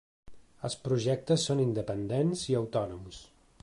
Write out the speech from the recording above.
Els projectes són independents i autònoms.